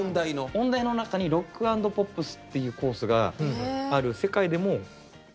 音大の中にロック＆ポップスっていうコースがある世界でも唯一だったんですね当時は。